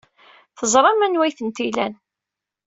Teẓram anwa ay tent-ilan.